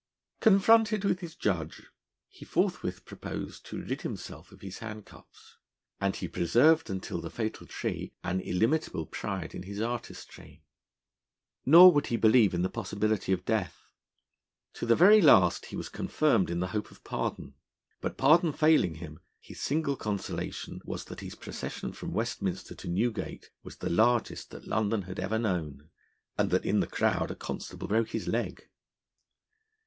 Confronted with his judge, he forthwith proposed to rid himself of his handcuffs, and he preserved until the fatal tree an illimitable pride in his artistry. Nor would he believe in the possibility of death. To the very last he was confirmed in the hope of pardon; but, pardon failing him, his single consolation was that his procession from Westminster to Newgate was the largest that London had ever known, and that in the crowd a constable broke his leg.